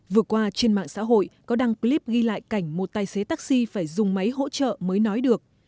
vừa qua trên mạng xã hội có đăng clip ghi lại cảnh một tài xế taxi phải dùng máy hỗ trợ mới nói được